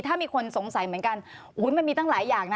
ถ้ามีคนสงสัยเหมือนกันมันมีตั้งหลายอย่างนะ